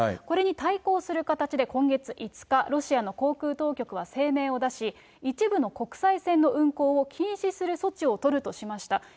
これに対抗する形で、今月５日、ロシアの航空当局は声明を出し、一部の国際線の運航を禁止する措置を取るとしました。